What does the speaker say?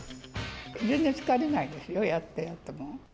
全然疲れないですよ、やっていても。